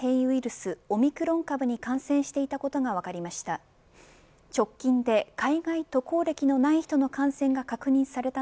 スオミクロン株に感染していたことが分かりました。